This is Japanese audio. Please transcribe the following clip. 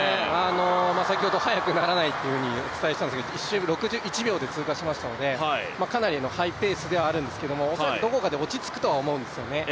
先ほど速くならないっていうふうにお伝えしたんですけど１周６１秒で通過しましたのでかなりのハイペースではあるんですけど、恐らくどこかで落ち着くとは思うんですね。